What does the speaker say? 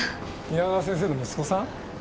皆川先生の息子さん？